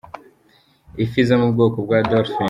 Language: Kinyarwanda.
Ifi zo mu bwoko bwa Dolphin.